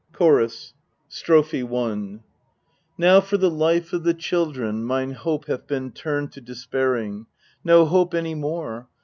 CHORUS. Strophe i Now for the life of the children mine hope hath been turned to despairing. No hope any more